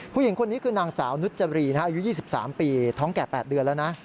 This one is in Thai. ผู้หญิงคนนี้คือนางสาวนุจรีอายุ๒๓ปีท้องแก่๘เดือนแล้วนะ